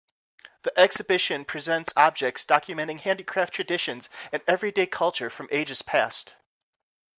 The exhibition presents objects documenting handicraft traditions and everyday culture from ages past.